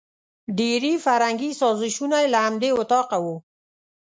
ډېري فرهنګي سازشونه یې له همدې وطاقه وو.